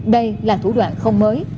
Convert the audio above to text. đây là thủ đoạn không mới